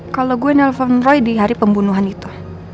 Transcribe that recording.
kalau gue nelfon roy di hari pembunuhan itu